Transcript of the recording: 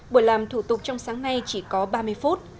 buổi làm thủ tục trong sáng nay chỉ có ba mươi phút